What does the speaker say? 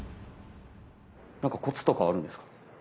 なんかコツとかあるんですか？